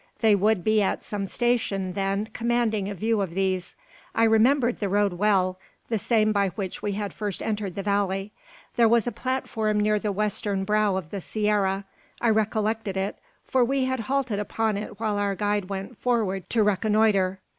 They would be at some station, then, commanding a view of these. I remembered the road well the same by which we had first entered the valley. There was a platform near the western brow of the sierra. I recollected it, for we had halted upon it while our guide went forward to reconnoitre.